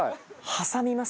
挟みます。